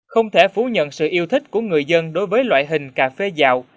không thể phủ nhận sự yêu thích của người dân đối với loại hình cà phê dạo